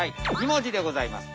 ２文字でございます。